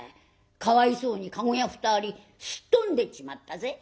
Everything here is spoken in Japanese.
かわいそうに駕籠屋２人すっ飛んでっちまったぜ」。